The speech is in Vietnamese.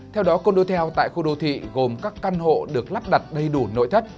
theo đó condo theo tại khu đô thị gồm các căn hộ được lắp đặt đầy đủ nội thất